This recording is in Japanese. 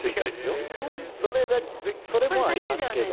それもありますけど。